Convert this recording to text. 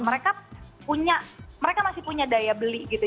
mereka punya mereka masih punya daya beli gitu